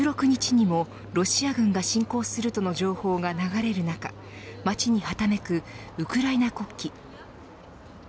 １６日にもロシア軍が侵攻するとの情報が流れる中街にはためくウクライナ国旗。